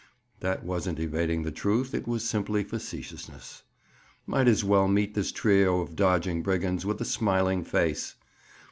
This wasn't evading the truth; it was simply facetiousness. Might as well meet this trio of dodging brigands with a smiling face!